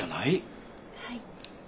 はい。